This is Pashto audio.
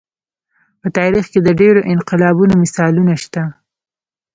په تاریخ کې د ډېرو انقلابونو مثالونه شته.